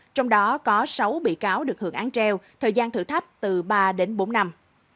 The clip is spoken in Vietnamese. trong đó có sáu bị cáo được hưởng án treo thời gian thử thách từ ba đến bốn năm